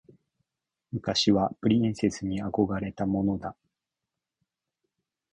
昔はプリンセスに憧れたものだ。